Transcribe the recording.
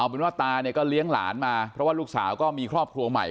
เป็นว่าตาเนี่ยก็เลี้ยงหลานมาเพราะว่าลูกสาวก็มีครอบครัวใหม่